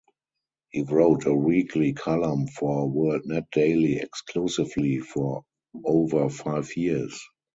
He wrote a weekly column for WorldNetDaily exclusively for over five years.